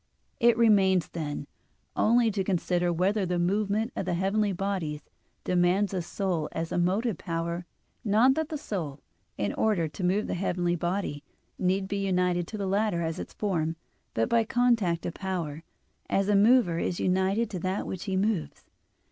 It remains, then, only to consider whether the movement of the heavenly bodies demands a soul as the motive power, not that the soul, in order to move the heavenly body, need be united to the latter as its form; but by contact of power, as a mover is united to that which he moves.